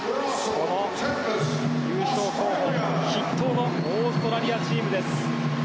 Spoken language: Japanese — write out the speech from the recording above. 優勝候補筆頭のオーストラリアチームです。